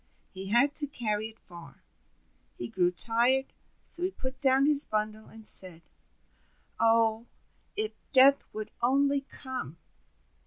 He had to carry it far. He grew tired, so he put down his bundle, and said: "Oh, if Death would only come!"